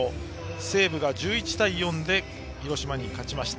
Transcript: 西武が１１対４で広島に勝ちました。